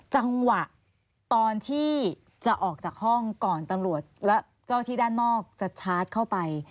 จังหวะตอนที่จะออกจากห้องก่อนตำรวจและเจ้าที่ด้านนอกจะชาร์จเข้าไป